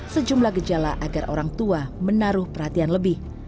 sejumlah gejala agar orang tua menaruh perhatian lebih